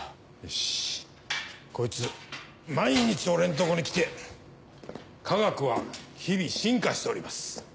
こいつ毎日俺んとこに来て「科学は日々進化しております。